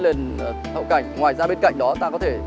lên hậu cảnh ngoài ra bên cạnh đó ta có thể